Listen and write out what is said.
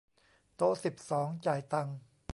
โต๊ะสิบสอง จ่ายตังค์